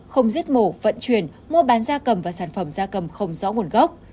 không giết mổ vận chuyển mua bán da cầm và sản phẩm da cầm không rõ nguồn gốc